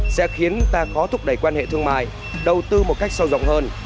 sẽ khiến ta có thúc đẩy quan hệ thương mại đầu tư một cách sâu rộng hơn